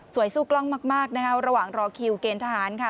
สู้กล้องมากนะคะระหว่างรอคิวเกณฑ์ทหารค่ะ